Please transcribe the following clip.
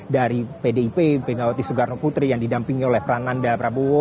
dari pdip megawati soekarno putri yang didampingi oleh prananda prabowo